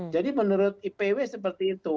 jadi menurut ipw seperti itu